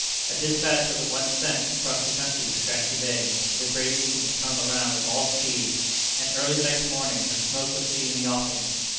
A despatch was at once sent across the country to Bantry Bay to the Great Eastern to come around with all speed, and early the next morning her smoke was seen in the offing.